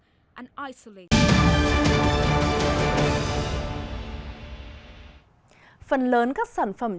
phần lớn các sản phẩm trong tỉnh iblis như là các sản phẩm trong tỉnh syri